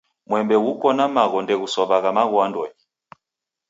Mwembe ghukona maembe ndeghusowagha magho andonyi.